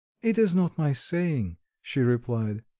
"It is not my saying," she replied.